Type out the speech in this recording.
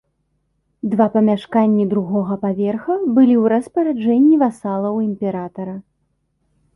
Два памяшканні другога паверха былі ў распараджэнні васалаў імператара.